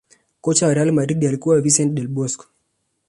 Kocha wa real madrid alikuwa Vincent Del Bosque